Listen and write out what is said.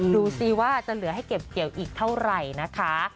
ดูสิว่าจะเหลือให้เก็บเกี่ยวอีกเท่าไหร่นะคะ